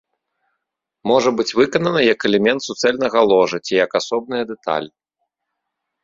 Можа быць выканана як элемент суцэльнага ложа ці як асобная дэталь.